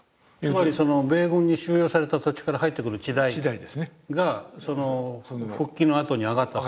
つまり米軍に収用された土地から入ってくる地代が復帰のあとに上がった。